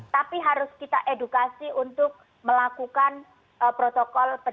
tapi harus kita edukasi untuk melakukan protokol pencegahan covid sembilan belas